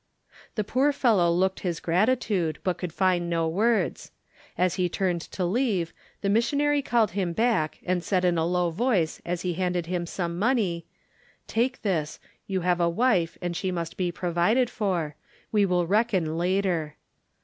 The poor fellow looked his gratitude but could find no words. As he turned to leave the missionary called him back and said in a low voice as he handed him some money, "Take this, you have a wife and she must be provided for, we will reckon later."